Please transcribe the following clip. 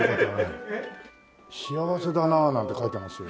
幸せだななんて書いてますよ。